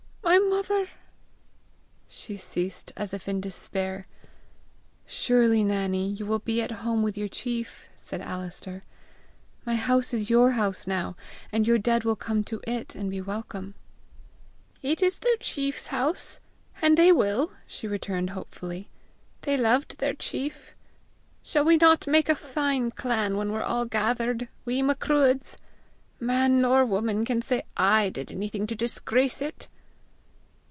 my mother!" She ceased as if in despair. "Surely, Nannie, you will be at home with your chief!" said Alister. "My house is your house now, and your dead will come to it and be welcome!" "It is their chief's house, and they will!" she returned hopefully. "They loved their chief. Shall we not make a fine clan when we're all gathered, we Macmadhs! Man nor woman can say I did anything to disgrace it!"